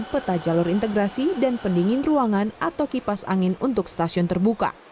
peta jalur integrasi dan pendingin ruangan atau kipas angin untuk stasiun terbuka